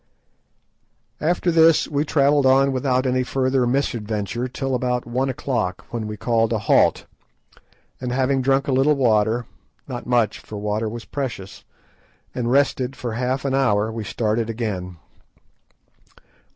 After this we travelled on without any further misadventure till about one o'clock, when we called a halt, and having drunk a little water, not much, for water was precious, and rested for half an hour, we started again.